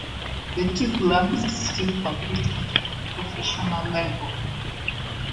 The two clubs still compete at a semi-professional level.